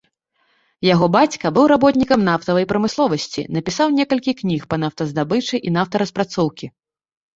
Яго бацька быў работнікам нафтавай прамысловасці, напісаў некалькі кніг па нафтаздабычы і нафтараспрацоўкі.